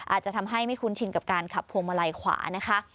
อาจจะทำให้ไม่คุ้นชินกับการขับพวงมาลัยขวานะคะ